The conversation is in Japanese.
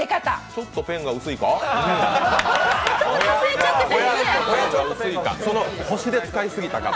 ちょっとペンが薄いか？